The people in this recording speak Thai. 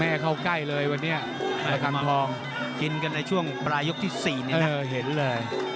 เออเห็นเลย